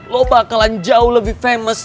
lo bakalan jauh lebih famis